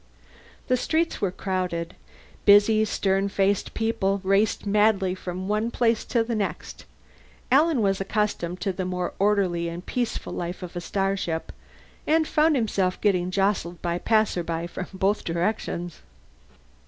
The streets were crowded. Busy stern faced people raced madly from one place to the next; Alan was accustomed to the more orderly and peaceful life of a starship, and found himself getting jostled by passersby from both directions.